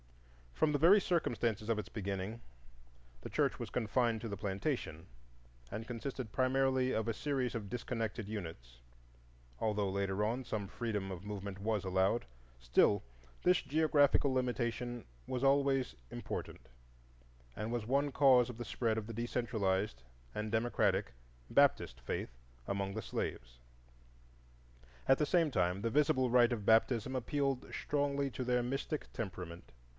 From the very circumstances of its beginning, the church was confined to the plantation, and consisted primarily of a series of disconnected units; although, later on, some freedom of movement was allowed, still this geographical limitation was always important and was one cause of the spread of the decentralized and democratic Baptist faith among the slaves. At the same time, the visible rite of baptism appealed strongly to their mystic temperament.